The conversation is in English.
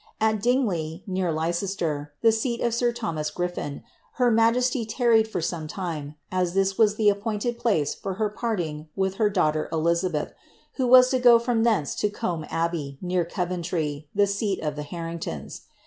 At Dingley, near Leicester, the seat of sir Thomas Griffin, her majesty tarried for some time, as this was the appointed place for her parting with her daughter Elizabeth, who was to go from thence to Combe Abbey, near (>>ventry, the seat of the Harringtons.